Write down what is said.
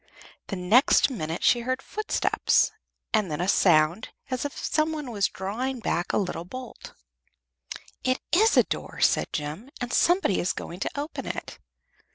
The next minute she heard footsteps, and then a sound, as if some one was drawing back a little bolt. "It is a door," said Jem, "and somebody is going to open it."